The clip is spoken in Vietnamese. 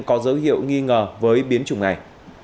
có dấu hiệu nghi ngờ với biến chủng này